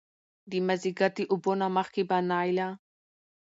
د مازديګر د اوبو نه مخکې به نايله